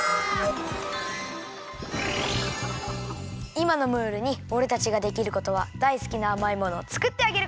いまのムールにおれたちができることはだいすきなあまいものをつくってあげること。